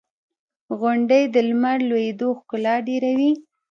• غونډۍ د لمر لوېدو ښکلا ډېروي.